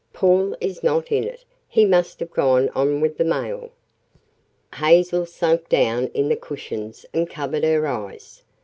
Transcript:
"Paul is not in it. He must have gone on with the mail." Hazel sank down in the cushions and covered her eyes.